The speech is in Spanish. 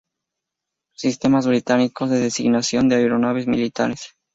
Sistemas británicos de designación de aeronaves militares